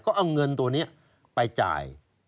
ก็เอาเงินตัวนี้ไปจ่าย